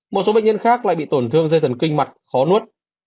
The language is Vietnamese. một số bệnh nhân khác lại bị tổn thương dây thần kinh mặt khó nuốt